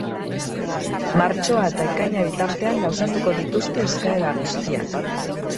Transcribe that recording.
Martxoa eta ekaina bitartean gauzatuko dituzte eskaera guztiak.